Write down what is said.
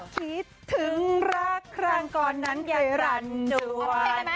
คิดถึงรักครั้งก่อนนั้นยายรันโด